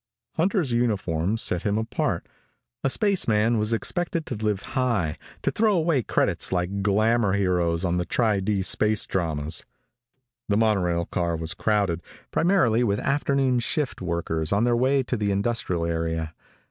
Hunter's uniform set him apart. A spaceman was expected to live high, to throw away credits like the glamor heroes on the Tri D space dramas. The monorail car was crowded, primarily with afternoon shift workers on their way to the industrial area.